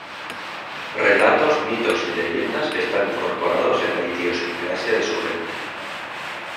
Relatos, mitos y leyendas que están incorporados en la idiosincrasia de su gente.